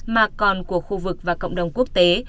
mà còn của khu vực và cộng đồng quốc tế